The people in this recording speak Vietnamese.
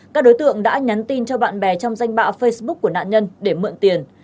các đối tượng đã nhắn tin cho bạn bè trong danh bạ facebook của nạn nhân để mượn tiền